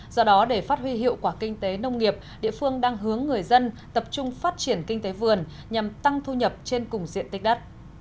do đó để phát huy hiệu quả kinh tế nông nghiệp địa phương đang hướng người dân tập trung phát triển kinh tế vườn nhằm tăng thu nhập trên cùng diện tích đất